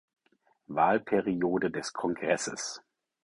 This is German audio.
Wahlperiode des Kongresses.